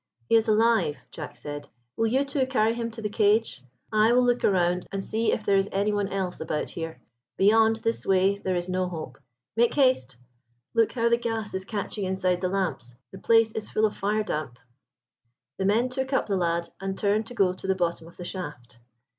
"He is alive," Jack said. "Will you two carry him to the cage? I will look round and see if there is any one else about here; beyond, this way, there is no hope. Make haste! Look how the gas is catching inside the lamps, the place is full of fire damp." The men took up the lad, and turned to go to the bottom of the shaft.